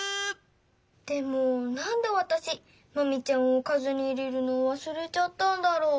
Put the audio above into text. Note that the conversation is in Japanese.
でもなんでわたしマミちゃんをかずに入れるのをわすれちゃったんだろう？